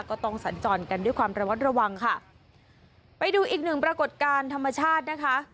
ก็ต้องสัญจรกันด้วยความระวัดระวังค่ะไปดูอีกหนึ่งปรากฏการณ์ธรรมชาตินะคะ